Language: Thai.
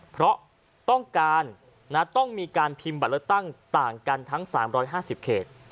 เพราะต้องการต้องมีการพิมพ์บัตรเลือกตั้งต่างกันทั้ง๓๕๐เขต